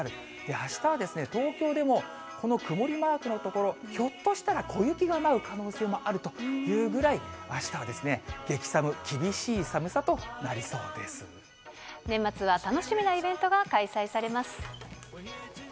あしたは東京でもこの曇りマークの所、ひょっとしたら小雪が舞う可能性があるというくらいあしたは激さ年末は楽しみなイベントが開催されます。